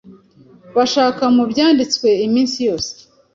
bashaka mu byanditswe iminsi yose,